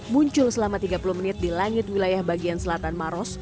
muncul selama tiga puluh menit di langit wilayah bagian selatan maros